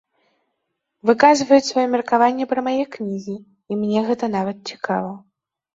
Выказваюць сваё меркаванне пра мае кнігі, і мне гэта нават цікава.